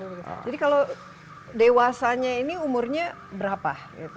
jadi kalau dewasanya ini umurnya berapa